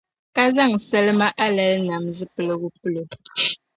ka zaŋ salima alali nam zuɣupiligu pili o.